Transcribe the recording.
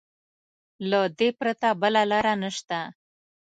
له دې پرته بله لاره نشته.